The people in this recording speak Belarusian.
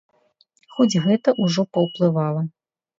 Хоць гэта ўжо паўплывала.